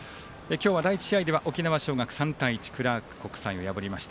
第１試合では沖縄尚学、３対１クラーク記念国際を破りました。